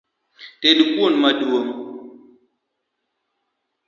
Ted kuon maduong’